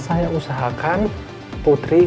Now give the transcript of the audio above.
saya usahakan putri